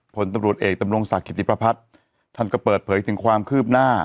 ผลตำรวจเอกดำรงศักดิติประพัฒน์ท่านก็เปิดเผยถึงความคืบหน้า